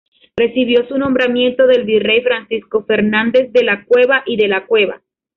Recibió su nombramiento del virrey Francisco Fernández de la Cueva y de la Cueva.